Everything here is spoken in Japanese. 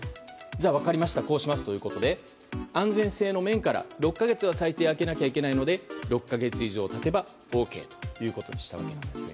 分かりました、こうしますということで安全性の面から６か月は最低空けないといけないので６か月以上経てばＯＫということにしたわけです。